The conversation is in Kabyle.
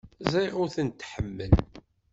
Ẓriɣ ur tent-tḥemmel.